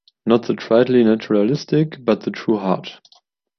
Not the tritely naturalistic, but the true heart.